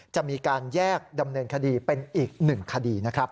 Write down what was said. จะมีการแยกดำเนินคดีเป็นอีกหนึ่งคดีนะครับ